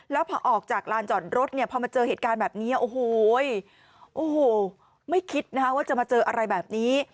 แล้วพอออกจากลานจอดรถเนี่ยพอมาเจอเหตุการณ์แบบนี้โอ้โหโอ้โหไม่คิดนะคะว่าจะมาเจออะไรแบบนี้